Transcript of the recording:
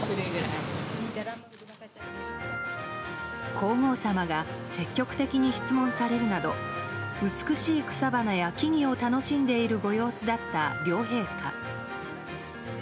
皇后さまが積極的に質問されるなど美しい草花や木々を楽しんでいるご様子だった両陛下。